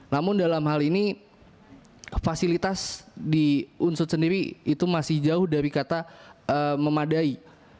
namun dalam hal ini fasilitas di unsut sendiri itu masih jauh dari kata memadai